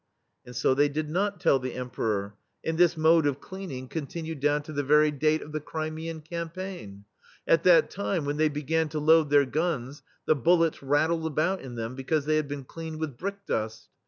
And so they did not tell the Emperor, and this mode of cleaning continued THE STEEL FLEA down to the very date of the Crimean campaign. At that time, when they be gan to load their guns the bullets rat tled about in them, because they had been cleaned with brick dust.